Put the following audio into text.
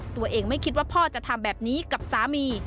ตัวเองไม่คิดว่าพ่อจะทำแบบนี้กับสามี